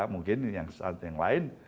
mungkin yang lain